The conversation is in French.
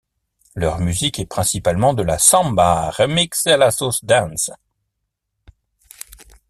Leur musique est principalement de la samba remixée à la sauce dance.